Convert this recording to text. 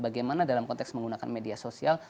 karena dalam konteks menggunakan media sosial